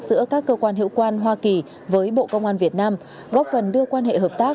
giữa các cơ quan hiệu quan hoa kỳ với bộ công an việt nam góp phần đưa quan hệ hợp tác